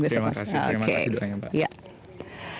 terima kasih terima kasih banyak pak